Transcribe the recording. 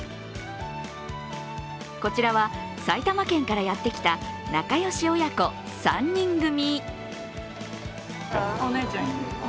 こちらは埼玉県からやってきた仲良し親子３人組。